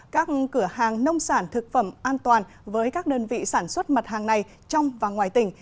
các cửa hàng nông sản thực phẩm an toàn với các đơn vị sản xuất mặt hàng này trong và ngoài tỉnh